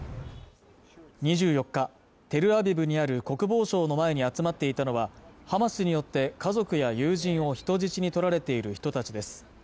２４日テルアビブにある国防省の前に集まっていたのはハマスによって家族や友人を人質に取られている人たちです